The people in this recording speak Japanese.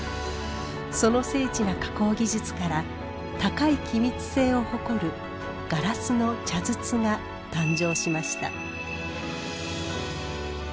その精緻な加工技術から高い気密性を誇るガラスの茶筒が誕生しました。